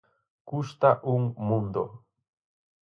Custa un mundo.